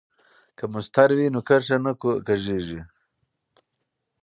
که مسطر وي نو کرښه نه کوږ کیږي.